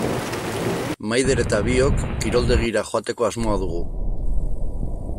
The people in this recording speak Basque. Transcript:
Maider eta biok kiroldegira joateko asmoa dugu.